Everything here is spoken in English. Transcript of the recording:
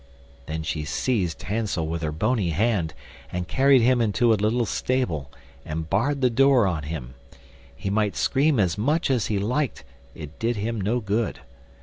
Then she seized Hansel with her bony hand and carried him into a little stable, and barred the door on him; he might scream as much as he liked, it did him no good.